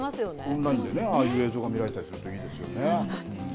オンラインでね、ああいう映像が見られたりするといいですよそうなんです。